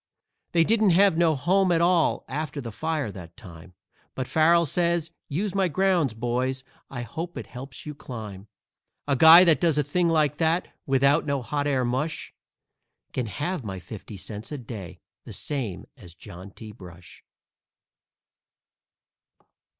They didn't have no home at all after the fire that time, But Farrell says, "Use my grounds, boys; I hope it helps you climb." A guy that does a thing like that, without no hot air mush, Can have my fifty cents a day, the same as John T. Brush!